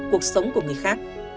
cuộc sống của người khác